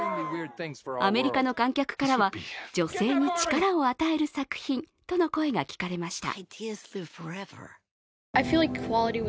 アメリカの観客からは女性に力を与える作品との声が聞かれました。